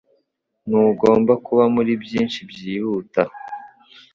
Ntugomba kuba muri byinshi byihuta.